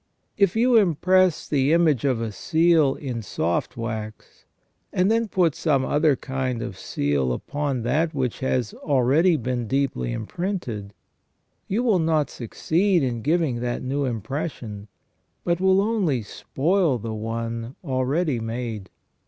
If you impress the image of a seal in soft Avax, and then put some other kind of seal upon that which has already been deeply imprinted, you will not succeed in giving that new impression, but will only spoil the one already made.